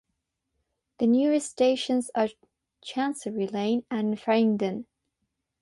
The nearest stations are Chancery Lane and Farringdon.